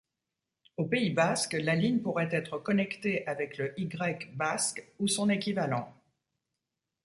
Au Pays-Basque, la ligne pourrait être connectée avec le Y basque ou son équivalent.